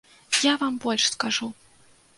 Я вам больш скажу.